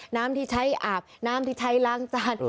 น้ำที่ใช้อาบน้ำที่ใช้ล้างจาน